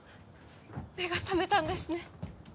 目が覚めたんですね